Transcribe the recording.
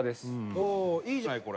おおいいじゃないこれ。